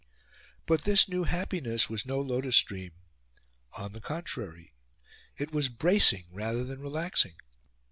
But this new happiness was no lotus dream. On the contrary, it was bracing, rather than relaxing.